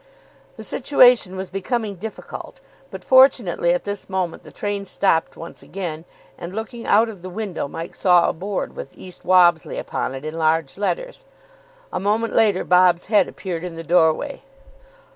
The situation was becoming difficult. But fortunately at this moment the train stopped once again; and, looking out of the window, Mike saw a board with East Wobsley upon it in large letters. A moment later Bob's head appeared in the doorway.